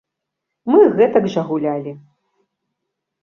Мы гэтак жа гулялі.